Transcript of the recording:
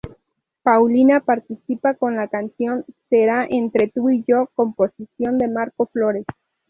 Paulina participa con la canción "Será Entre Tú y Yo" composición de Marco Flores.